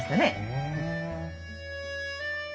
へえ。